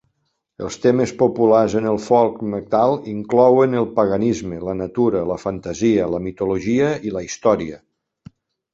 Els temes populars en el folk metal inclouen el paganisme, la natura, la fantasia, la mitologia i la història.